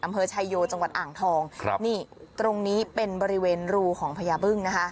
อำเภอชายโยจังหวัดอ่างทองครับนี่ตรงนี้เป็นบริเวณรูของพญาบึ้งนะคะ